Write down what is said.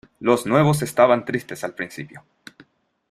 los nuevos estaban tristes al principio.